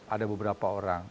ada beberapa orang